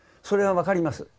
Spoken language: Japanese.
それは分かります